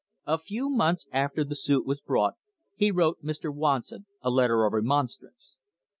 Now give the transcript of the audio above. A few months after the suit was brought he wrote Mr. Watson a letter of remonstrance.